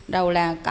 đầu là có